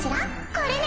これね！